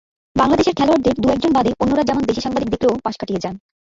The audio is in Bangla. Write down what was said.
বাংলাদেশের খেলোয়াড়দের দু-একজন বাদে অন্যরা যেমন দেশি সাংবাদিক দেখলেও পাশ কাটিয়ে যান।